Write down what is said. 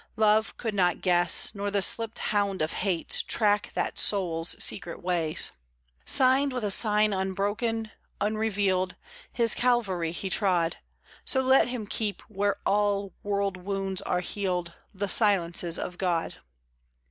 Love could not guess, nor the slipped hound of hate Track that soul's secret ways. Signed with a sign, unbroken, unrevealed, His Calvary he trod; So let him keep, where all world wounds are healed The silences of God.